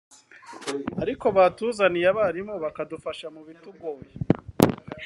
ariko batuzaniye abarimu bakadufasha mu bitugoye